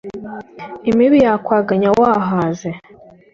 Imibi yakwaganya wahaze